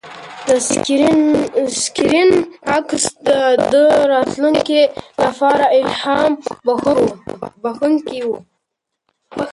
د سکرین عکس د ده د راتلونکي لپاره الهام بښونکی و.